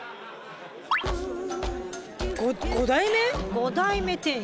５代目！